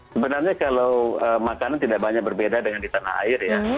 sebenarnya kalau makanan tidak banyak berbeda dengan di tanah air ya